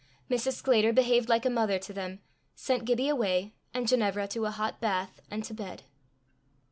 Mrs. Sclater behaved like a mother to them, sent Gibbie away, and Ginevra to a hot bath and to bed.